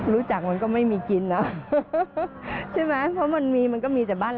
แล้วเขาได้กินข้าวเหนียวมาม่วง